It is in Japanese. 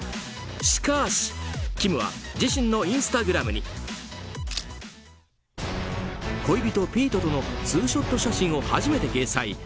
しかしキムは自身のインスタグラムに恋人ピートとのツーショット写真を初めて掲載。